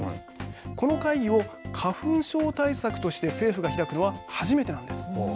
この会議を花粉症対策として政府が開くのは初めてなんです。